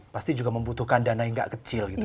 pasti juga membutuhkan dana yang gak kecil gitu